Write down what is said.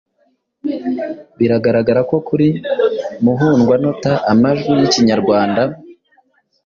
Biragaragara ko kuri muhundwanota, amajwi y’Ikinyarwanda